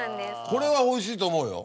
これはおいしいと思うよ。